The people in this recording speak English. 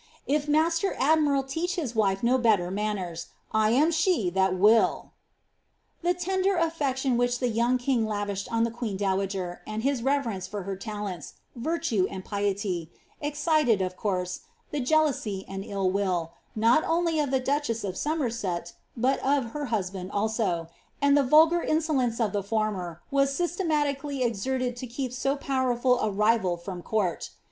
If master admiral teach his wife no better manners, I am she that will."' The tender affection which the young king lavished on the queen dowager, and his reverence for her talents, virtue, and piety, excited, of course, the jealousy and ill will, not only of the duchess of Somerset, but of her husband also ; and the vulgar insolence of the former was sysieniaiically exerted to keep so powerful a rival from the court.